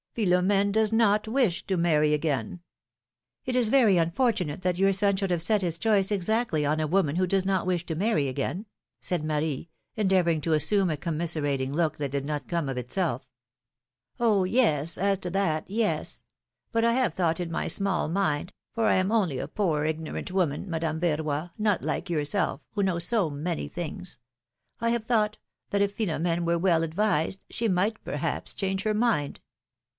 ^ Philomene does not wish to marry again !" It is very unfortunate that your son should have set his choice exactly on a woman who does not wish to marry again/' said Marie, endeavoring to assume a com miserating look that did not come of itself. Oh ! yes ! as to that, yes. But I have thought in my small mind, for I am only a poor ignorant woman, Madame Verroy — not like yourself, who know so many things — I have thought, that if Philomene were well advised, she might perhaps change her mind."